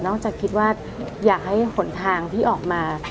จากคิดว่าอยากให้หนทางที่ออกมา